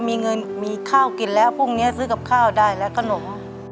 มีเงินมีข้าวกินแล้วพรุ่งนี้ซื้อกับข้าวได้แล้วขนม